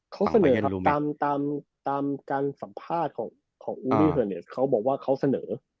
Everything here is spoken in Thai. เขาเสนอครับตามการสัมภาษณ์ของอูดี้เฟอร์เนสเขาบอกว่าเขาเสนอ